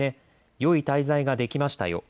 よい滞在ができましたよ。